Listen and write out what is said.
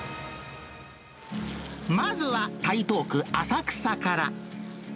まずは台東区浅草から。